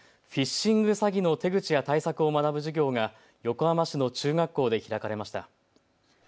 フィッシング詐欺の手口や対策を学ぶ授業が横浜市の中学校で開かれました。